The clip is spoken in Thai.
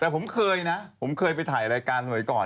แต่ผมเคยนะผมเคยไปถ่ายรายการสมัยก่อน